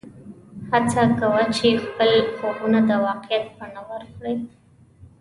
هڅه کوه چې خپل خوبونه د واقعیت بڼه ورکړې